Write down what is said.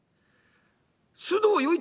須藤与一